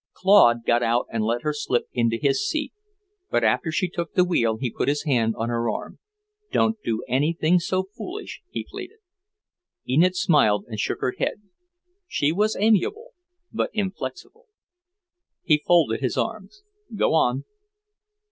Claude got out and let her slip into his seat, but after she took the wheel he put his hand on her arm. "Don't do anything so foolish," he pleaded. Enid smiled and shook her head. She was amiable, but inflexible. He folded his arms. "Go on."